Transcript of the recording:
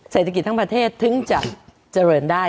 เศรษฐกิจทั้งประเทศถึงจะเจริญได้